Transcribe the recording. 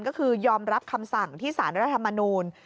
ก็คือยอมรับคำสั่งที่สารรัฐมนูล